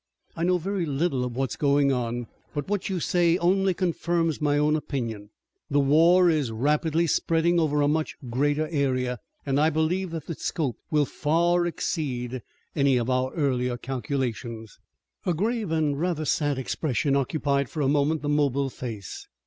"I know very little of what is going on, but what you say only confirms my own opinion. The war is rapidly spreading over a much greater area, and I believe that its scope will far exceed any of our earlier calculations." A grave and rather sad expression occupied for a moment the mobile face.